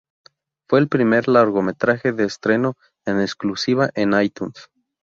Fue el primer largometraje de "estreno en exclusiva en iTunes".